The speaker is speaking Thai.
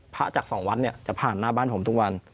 จากสองวัดเนี่ยจะผ่านหน้าบ้านผมทุกวัน